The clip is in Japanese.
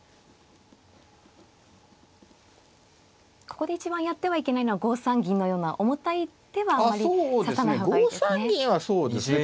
ここで一番やってはいけないのは５三銀のような重たい手はあんまり指さない方がいいですね。